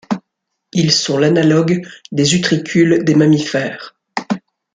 Ils sont l'analogue des utricules des mammifères.